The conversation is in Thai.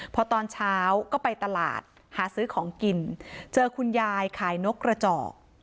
พอตอนเช้าก็ไปตลาดหาซื้อของกินเจอคุณยายขายนกกระจอก